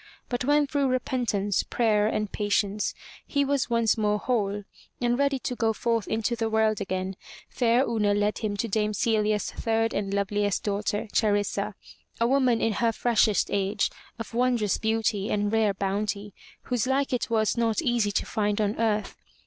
But when through repentance, prayer and patience, he was once more whole, and ready to go forth into the world again, fair Una led him to Dame Celiacs third and loveliest daughter, Charissa, a woman in her freshest age, of wondrous beauty and rare bounty, whose like it was not easy to find on earth.